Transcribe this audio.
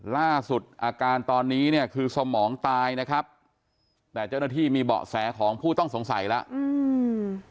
ล่าสุดอาการตอนนี้เนี่ยคือสมองตายนะครับแต่เจ้าหน้าที่มีเบาะแสของผู้ต้องสงสัยแล้วอืม